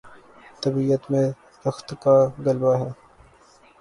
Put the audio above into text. طبیعت میں رقت کا غلبہ ہے۔